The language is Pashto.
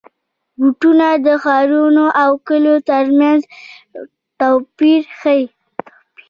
بوټونه د ښارونو او کلیو ترمنځ توپیر ښيي.